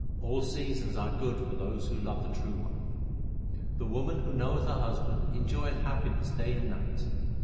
All seasons are good for those who love the True One. The woman who knoweth her husband enjoyeth happi ness day 1 and night.